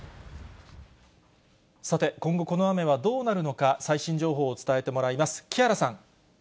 さて、今後、この雨はどうなるのか、最新情報を伝えてもらいます。